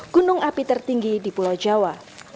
gunung api tertinggi di pulau jawa